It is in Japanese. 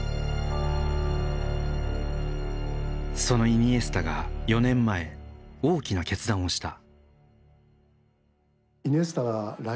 そのイニエスタが４年前大きな決断をした。